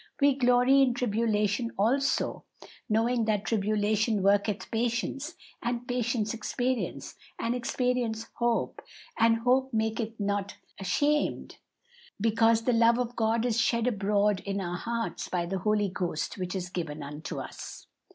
'We glory in tribulation also, knowing that tribulation worketh patience, and patience experience, and experience hope, and hope maketh not ashamed; because the love of God is shed abroad in our hearts by the Holy Ghost which is given unto us.'"